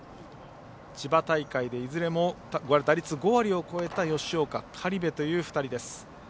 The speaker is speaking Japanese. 千葉大会でいずれも打率５割を超えた吉岡、苅部という２人です。